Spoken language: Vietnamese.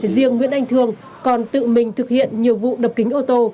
riêng nguyễn anh thương còn tự mình thực hiện nhiều vụ đập kính ô tô